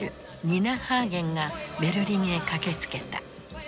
ニナ・ハーゲンがベルリンへ駆けつけた。